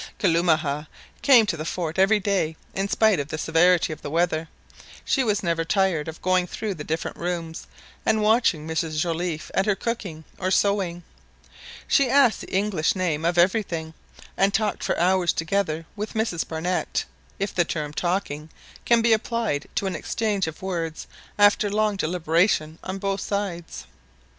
Kalumah came to the fort every day in spite of the severity of the weather. She was never tired of going through the different rooms, and watching Mrs Joliffe at her cooking or sewing. She asked the English name of everything, and talked for hours together with Mrs Barnett, if the term "talking" can be applied to an exchange of words after long deliberation on both sides.